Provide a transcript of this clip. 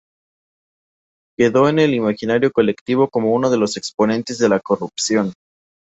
Quedó en el imaginario colectivo como uno de los exponentes de la corrupción.